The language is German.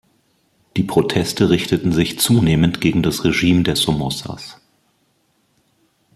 Die Proteste richteten sich zunehmend gegen das Regime der Somozas.